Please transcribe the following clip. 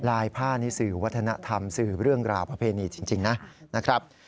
ลายผ้านี่สื่อวัฒนธรรมสื่อเรื่องราวประเพณีจริงนะครับ